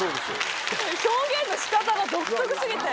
表現の仕方が独特過ぎて。